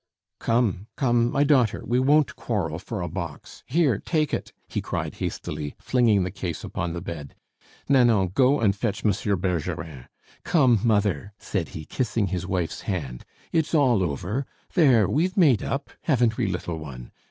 "Come, come, my daughter, we won't quarrel for a box! Here, take it!" he cried hastily, flinging the case upon the bed. "Nanon, go and fetch Monsieur Bergerin! Come, mother," said he, kissing his wife's hand, "it's all over! There! we've made up haven't we, little one?